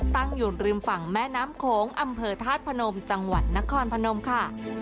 ตั้งอยู่ริมฝั่งแม่น้ำโขงอำเภอธาตุพนมจังหวัดนครพนมค่ะ